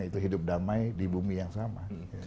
itu hidup damai di bumi yang sama